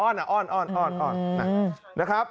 อ้อนอ่ะอ้อนอ้อนอ้อน